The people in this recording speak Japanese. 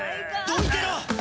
どいてろ！